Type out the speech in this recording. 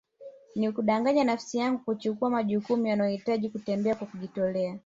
Ni kudanganya nafsi yangu kuchukua majukumu yanayohitaji kutembea na kujitolea